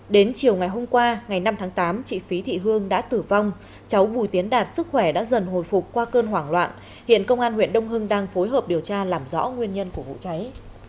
đến chiều ngày hôm qua ngày năm tháng tám chị phí thị hương đã tử vong cháu bùi tiến đạt sức khỏe đã dần hồi phục qua cơn hoảng loạn hiện công an huyện đông hưng đang phối hợp điều tra làm rõ nguyên nhân của vụ cháy